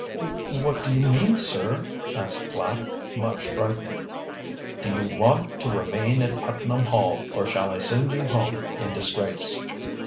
"Wh what do you mean, sir?" asked Flapp, much frightened. "Do you want to remain at Putnam Hall, or shall I send you home in disgrace?"